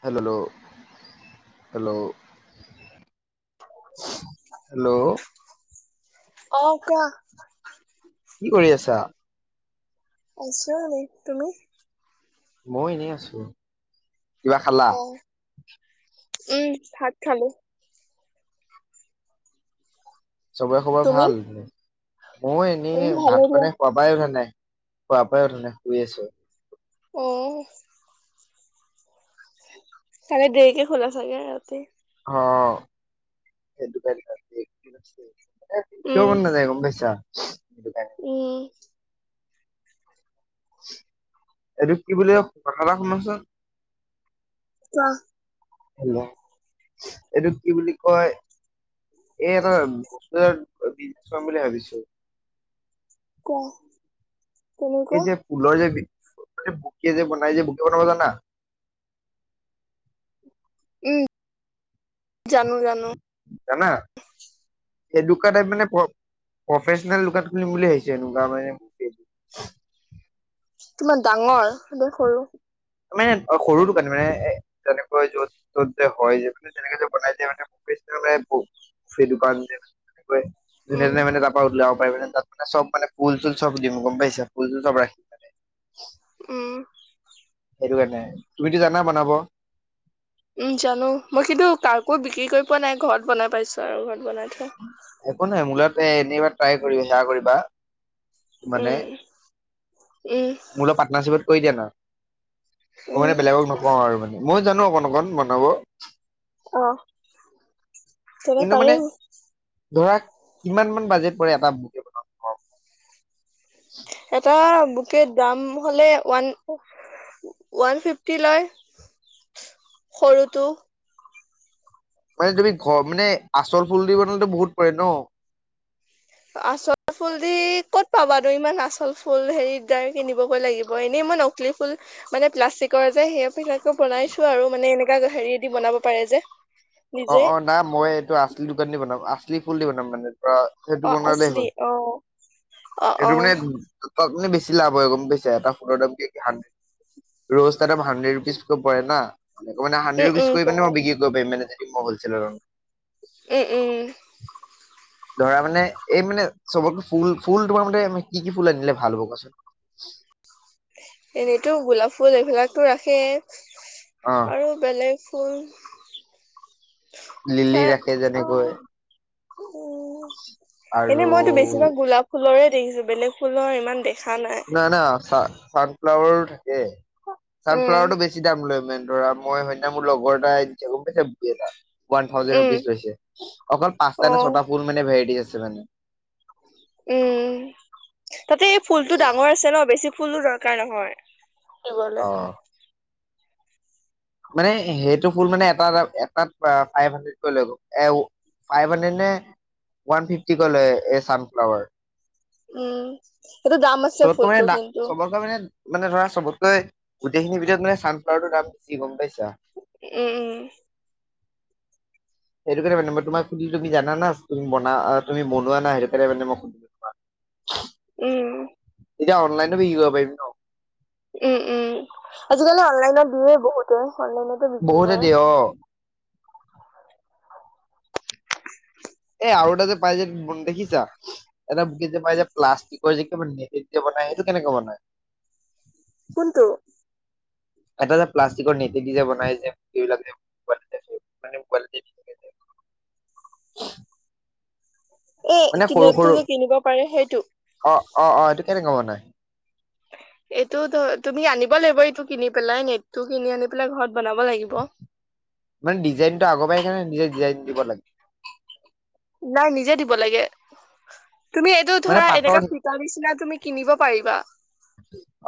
Hello hello. Hello অ কুৱা। কি কৰি আছা? আছো এনে, তুমি? মই এনেই আছো, কিবা খালা? অ উম ভাত খালো। চবৰে খবৰ তুমি ভাল ময় উম এনেই ভালে ভাত দিয়া মানে শুৱা পাই উধা নাই। শুৱা পাই উঠা নাই শুই আছো। উম। কালি দেৰিকে শুলা চাগে ৰাতি। অ সেইটো কাৰ চও উম উঠিব মন নাযায় গম পাইছা। দোকান উম এইটো কি বুলি কথা এটা শুনকচোন ক হেল্ল' এইটো কি বুলি কয় এই এটা [unintelligible] বুলি ভাবিছো ক এই যে ফুলৰ যে বুকে যে বনাই যে বুকে বনাব জানা? উম জানো জানো। জানা? এনেকুৱা টাইপ মানে প্ৰফেচনেল দোকান খুলিম বুলি ভাবিছ এনেকুৱা মানে [inaudible] কিমান ডাঙৰ নে সৰু? মানে সৰু দোকানী মানে এ তেনেকৈ য'ত ত'ত যে হয় য মানে তেনেকে যে বনাই যায় মানে সেই দোকান উম [unintelligible] মানে তাৰপৰা উল তাত মানে চব মানে ফুল চুল চব দিম গম পাইছা ফুল চুল চব ৰাখিম মানে। উম। সেইটো কাৰণে তুমিতো জানা বনাব। উম জানো মই কিন্তু কাকো বিক্ৰী কৰি পোৱা নাই ঘৰত বনাই পাইছো আৰু ঘৰত বনাই থোৱা। এনেবা ট্ৰাই কৰিব সেয়া কৰিবা মানে উম উম মোৰ অলপ পাৰ্টনাৰশ্বিপত কৰি দিয় না মই উম মানে বেলেগক নকওঁ আৰু মানে। মই জানো অকন অকণ বনাব। অ তেনে কিন্তু মানে পাৰিম। ধৰা কিমান মান বাজেট পৰে এটা বুট এটা বুকে দাম হ'লে ওৱান ওৱান ফিফটি লয়। সৰুটো। মানে তুমি ঘ মানে আচল ফুল দি বনালো বহুত পৰে ন। আচল ফুল দি ক'ত পাবা আৰু ইমান আচল ফুল হেৰি কিনিবগৈ লাগিব এনে মই নকলি ফুল মানে প্লাষ্টিকৰ যে সেই [unintelligible] বনাইছো আৰু মানে এনেকা হেৰি দি বনাব পাৰে যে। নিজে অ', অ' নাই মই এইটো আচলি দোকান দি বনাম আচলি ফুল দি বনাম মানে। সেইটো অ বনালেই হ'ল। আচলি অ অ অ সেইটো মানে তাত মানে বেছি লাভ হয় গম পাইছা এটা ফুলৰ [unintelligible] ৰ'জ এটা দাম হাণ্ড্ৰেড ৰুপিজ কে পৰে না মই মানে হাণ্ডেড উম ৰুপিজ উম প কৰি পিনে মই বিক্ৰী কৰিব পাৰি মে যদি মই হলছেল উম, উম। ধৰা মানে এই মানে চবক ফুল ফুল তোমাৰ মতে কি কি ফুল আনিলে ভাল হ'ব কোৱাচোন। [unintelligible] এনেতো গোলাপ ফুল এইবিলাকতো ৰাখে অ আৰু বেলেগ ফুল ধৰা অ [unintelligible] উম, এনে আৰু মইতো বেছিভাগ গোলাপ ফুলৰে দেখিছো বেলেগ ফুলৰ ইমান দেখ ন না চানফ্লাৱাৰ থাকে উম চানফ্লাৱাৰটো বেছি দাম লয় মান ধৰা মই হেইদিনা মোৰ লগৰ এটাছে গম পাইছে বোকে এটা। ওৱান থাজেণ্ড উম ৰুপিচ লৈছে অকল পাঁচ অ নে ছটা ফুল মানে ভেৰাইটি আছে মানে। উম, তাতে ফুলতটো ডাঙৰ আছে ন বেছি ফুলো দৰকাৰ নহয় ল'বলে মানে সেইটো ফুল মানে এটা এটাত ফাইভ হাড্ৰেডকৈ লৈ এ ফাইভ হাড্ৰেড নে ওৱান ফিফটি কৈ লয় এই চানফ্লাৱাৰ। উম সেইটো দাম আছে চবতকৈ ফুলটো মানো কিন্তু। চবতকৈ মানে মানে ধৰা চবতকৈ গোটেইখিনিতৰতানোন্লাৰৰ দাম বেছি গম পাইছা উম। সেইটো কাৰণে মানেই তোমাক সুধিলো তুমি জানা তুমি বনা তুমি বনোৱা না সেইটো কাৰণে মই সুধিলো [unintelligible] উম। এতিয়া অণলাইন বিক্ৰী কৰিব পাৰিম ন। উম, উম আজিকালি অনলাইনত দিয়ে বহুতে অনলাইনতে বিক্ৰী বহুতে কৰে। দিয়ে [unintelligible] এ [inaudible] আৰু এটা যে পাই যে দেখিছা এটা বুকে যে পাই যে প্লাষ্টিকৰ যে নেটে যে বনাই। সেইটো কেনেকা বনাই? কোনটো? এটা এটা প্লাষ্টিকৰ নেটে দি যে বনাই যে এইবিলাক যে মানে [unintelligible] এ মানে কি সৰু নেটটো সৰু যে কিনিব পাৰে সেইটো। অ' অ' অ' এইটো কেনেকুৱা বনাই? [inaudible] এইটো তুমি আনিব লাগিব এইটো কিনি পেলাই নেটটো কিনি আনি পেলাই ঘৰত বনাব লাগিব। মানে ডিজাইনটো আগৰ পৰাই থাকেনে নিজে ডিজাইন দিব লাগে? নাই নিজে দিব লাগে। তুমি এইটো মানে ধৰা পাটৰ এনেকা ফটাৰ নিচিনা তুমি কিনিব পাৰিবা।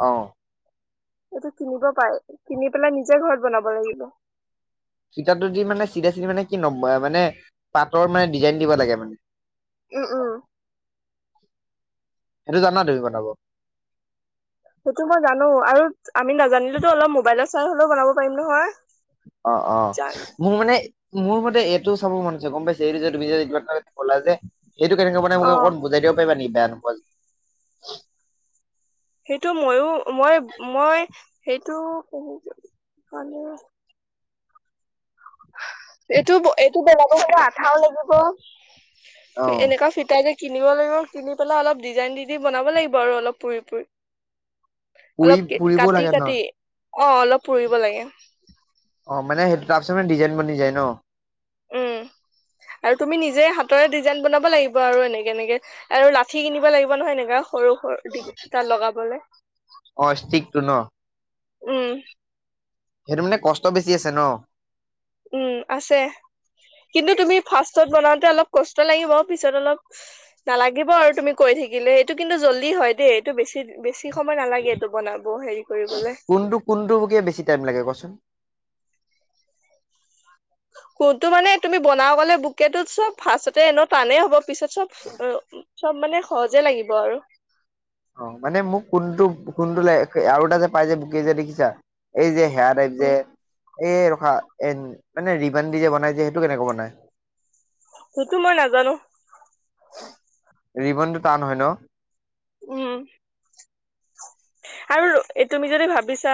আহ। সেইটো কিনিব পাৰে। কিনি পেলাই নিজে ঘৰত বনাব লাগিব। ফিটাতো দি মানে চিধা চিধি মানে কি ন মানে পাতৰ মানে ডিজাইন দিব লাগে মানে? উম, উম। সেইটো জানা তুমি বনাব? সেইটো মই জানো আৰু আমি নাজানিলেতো অলপ মোবাইলত চাই হলেও বনাব পাৰিম নহয়। অ', জান অ' মোৰ মানে মোৰ মতে এইটো চাব মন আছে গম পাইছে এই তুমি এইটা কলা যে সেইটো কেনেকে মানে অ মোক অকণ বুজাই দিব পাৰিবা নেকি বেয়া নোপোৱা যদি। সেইটো মইো মই-মই সেইটো বহুতে, এইটো এইটো বেলাব সটো আঠাও লাগিব, অ এনেকুৱা ফিটাই যে, কিনিব লাগিব কিনি পেলাই অলপ ডিজাইন দি দি বনাব লাগিব আৰু অলপ পুৰি পুৰি। পুৰি অলপ পুৰিবও কাটি লাগে ন কাটি অ অলপ পুৰিব লাগে অ মানে সেইটো তাৰপিছত মানে ডিজাইন বনি যায় ন, উম! আৰু তুমি নিজে হাতৰে ডিজাইন বনাব লাগিব আৰু এনেকে এনেকে আৰু লাঠি কিনিবা লাগিব নহয় এনেকোৱা সৰু সৰু দিটা লগাবলৈ। অ ষ্টিকটো ন উম! সেইটো মানে কষ্ট বেছি আছে ন! উম আছে। কিন্তু তুমি ফাৰ্ষ্ত বনাওঁতে অলপ কষ্ট লাগিব পিছত অলপ নালাগিব আৰু তুমি কৈছ থাকিলে এইটো কিন্তু জল্দি হয় দেই এইটো বেছি বেছি। কিঠ সময় নালাগে এইটো বনাব হেৰি কৰিবলে। কোনটো কোনটোকে বেছি টাইম লাগে কচোন কোনটো মানে তুমি বনাওঁ ক'লে বুকেটোো চব ফাৰটতে এনে টানেই হ'ব। পিছত চব চব মানে সহজে লাগিব আৰু অ মানে মোক কোনটো কোনটো ল আৰু এটা যে পাই যে বকেই যে দেখিছা এই যে সেয়প যে, উম এই ৰখা এ মানে ৰিবান দি যে বনাই যে সেইটো কেনেকে বনাই ত তো মই নাজানো ৰিবনটো টান হয় ন, উম! [inaudible] আৰু এই তুমি যদি ভাবিছা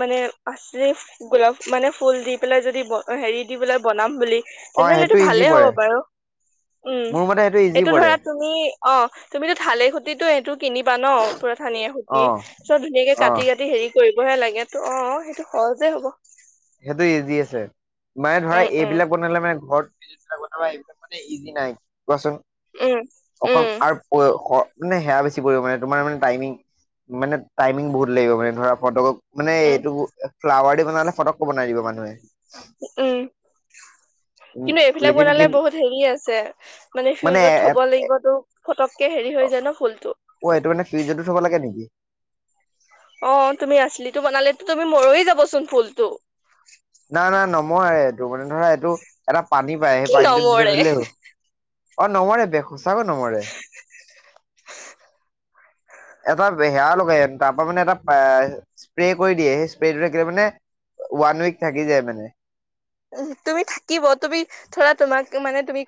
মানে আচি গোলাপ মানে ফুল দি পেলাই যদি হেৰি দি পাই বনাম বুলি অ তেনেহলেটো সেইটো ইজি ভালেই হ'ব পৰে বাৰু উম! মোৰ মতে সেইটো ইজি এইটো ধৰা পৰে তুমি অ তুমিতো থালে খুটিতটো সেইটো কিনিবা ন পুৰা থানিয়ে খুটি অ চব ধুনীয়াকে অ কাটি কাটি হেৰি কৰিবহে লাগে ত অ অ সেইটো সহজে হব। সেইটো ইজি আছে মানে ধৰা উম উম এইবিলাক বনালে মানে ঘৰত যোনবিলাক বনাবা এইবিলাক মানে ইজি নাই কোৱাচোন উম অ উম আৰু মানে সেয়া বেছি পৰি মানে তোমাৰ মানে টাইমিং মানে টাইমিং বহুত লাগিব মানে ধৰা ফটক মানে উম এইটো ফ্লাৱাৰ দি বনালে ফটককো বনাই দিব মানুহে, উম! উম কিন্তু এইবিলাক লেকিন কি বনালে বহুত হেৰি আছে মানে ফিউজত থব লাগিবতো। পতককে হেৰি হৈ জান ন ফুল টো অ এইটো মানে ফিউজাৰটো থব লাগে নেকি? অ তুমি আছিললিতো বনালেো তুমি মৰয় যাবচোন ফুলতটো, নাই নাই নমোৱ এইটো মানে ধৰা এইটো এটা পানী পায় সেই কি পানীটো নিজত নমৰে ধৰিলেও অ নমৰে ব, সঁচাক নমৰে এটা হেয়া লগাই তাৰ পৰা মানে এটা স্প্ৰে কৰি দিয়ে সেই স্প্ৰেটো থাকিলে মানে। ৱান ক থাকি যায় মানে, তুমি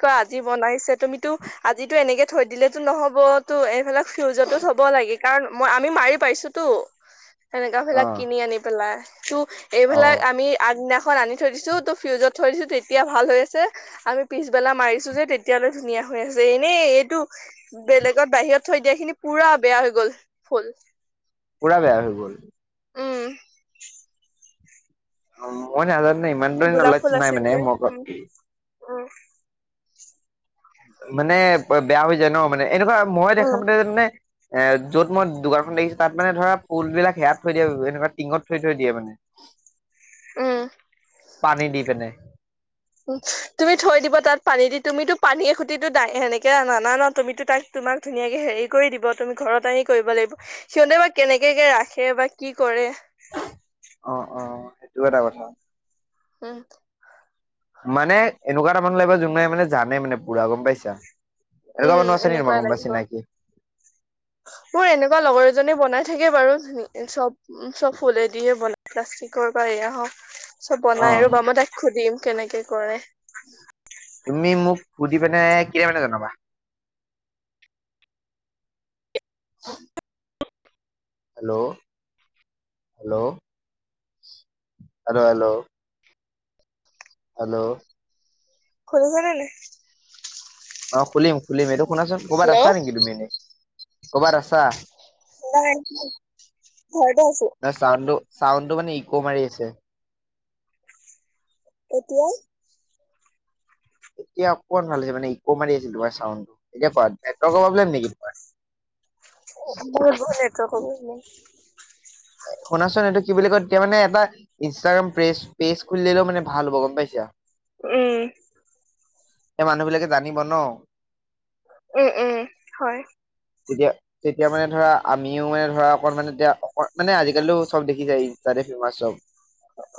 ক আজি বনাইছে তুমিতো আজিিতো এনেকে থৈ দিলেতো নহ'ব তো এইফালাক ফিউজতো থব লাগে। লি কাৰণ মই আমি মাৰি পাইছোতো [inaudible] সেনেককা অ বিিলাক কিনি আনি পেলাই ত অ এইবিলাক আমি আগদিনাখন আনি থৈ দিছো। ফ্ৰিউজত থৈ দিছো তেতিয়া ভাল হৈ আছে আমি পিছবেলা মাৰিছো যে তেতিয়ালৈ ধুনীয়া হৈ আছে এনে, এইটো বেলেগত বাহিৰত থৈ দিয়া খিনি পুৰা বেয়া হৈ গল ফুল, পৰা বেয়া হৈ গল। উম মনে আৰণে ই গোলাপ মন ফুল চিনাই আছিল মানে যে ম, উম উম। মানে বেয়া হৈ যায় ন, মানে এনেকুৱা মই দেখাম উম মতে মানে এ য'ত মই দোকানখন দেখিছো, তাত মানে ধৰা ফুলবিলাক সেয়াত থৈ দিয়ে, এনেকুৱা টিঙত থৈ থৈ দিয়ে মানে। [unintelligible] উম। পানী দি পিনে উম, তুমি থৈ দিব তাত পানী দি, তুমিতো পানীয়ে [unintelligible] এনেকে আনা নাআনা তুমিতো তা তোমাক ধুনীয়াকে হেৰি কৰি দিব, তুমি ঘৰত আনি কৰিব লাগিব, সিহতে বা কেনেকে বা ৰাখে বা কি কৰে? অ', অ', সেইটো এটা কথা। উম। মানে এনেকুৱা এটা মানু্হ লাগিব, যোনে মানে জানে মানে পুৰা, গম পাইছা? উম এনেকুৱা মানুহ আছে নেকি তোমাৰ এনেকুৱাই কোনোবা চিনাকি লাগিব। মোৰ এনেকুৱা লগৰ এজনী বনাই থাকে বাৰু চব চব ফুলেদিয়ে বনাই, প্লাষ্টিকৰ বা এয়া হওক চব অ বনাই আৰু, ৰবা মই সুধিম, কেনেকে কৰে? তুমি মোক সুধি পিনে কিনে কেতিয়া মানে জনাবা? [unintelligible] Hello, hello hello hello hello খুলিছো নে নাই? অ খুলিম খুলিম, এইটো শুনাচোন ক'বাত আছা হেল্ল' নেকি তুমি এনেই, ক'বাত আছা? নাই ঘৰতে আছে। টো মানে ইকো মাৰি আছে। এতিয়াই এতিয়া অকণমান ভাল হৈছে, মানে ইকো মাৰি আছিল তোমাৰ চাউডটো, এতিয়া ভাল প্ৰব্লেম নেকি, তোমাৰ? [unintelligible] নেটৱৰ্কৰ প্ৰব্লেম [unintelligible] শুনাচোন এইটো কি বুলি কয়, তেতিয়া মানে এটা ইনষ্টাগ্ৰাম পেজ-পেজ খুলি ললে মানে ভাল হ'ব, গম পাইছা? উম। এই মানুহ বিলাকে জানিব ন? উম, উম, হয় তেতিয়া-তেতিয়া মানে ধৰা আমিও মানে ধৰা অকণমানে এতিয়া, অকোন মানে আজিকালিও চব দেখিজাই, ইনষ্টাতে ফেমাচ চব।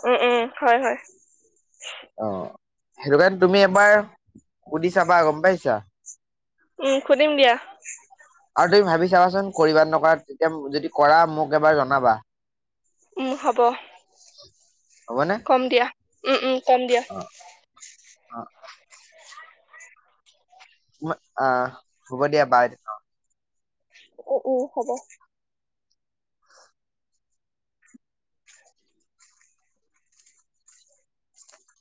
উম, উম, হয়, হয়। অ সেইটো কাৰণে তুমি এবাৰ সুধি চাবা, গম পাইছা? উম, সুধিম দিয়া। আৰু তুমি ভাবি চাবাচোন কৰিবা নকৰা, তেতিয়া যদি কৰা মোক এবাৰ জনাবা। উম হব, হ'বনে কম দিয়া, উম উম। কম দিয়া। অ অ', আহ, হ'ব দিয়া, বাই [unintelligible] [unintelligible] হ'ব